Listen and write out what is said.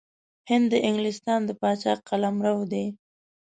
هند د انګلستان د پاچا قلمرو دی.